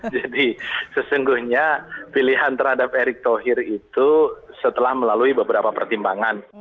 jadi sesungguhnya pilihan terhadap erick thohir itu setelah melalui beberapa pertimbangan